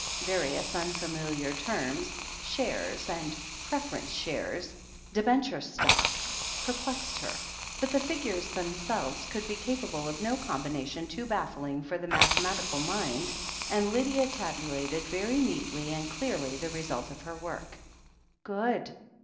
Various unfamiliar terms, "shares" and "preference shares," "debenture stock," perplexed her, but the figures themselves could be capable of no combination too baffling for the mathe matical mind, and Lydia tabulated very neatly and clearly the result of her work. "Good."